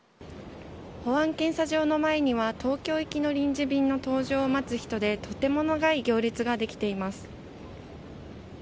保安検査場の前には東京行きの臨時便の搭乗を待つ人でとても長い行列ができています。